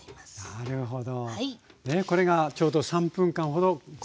なるほど。